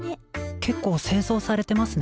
結構正装されてますね。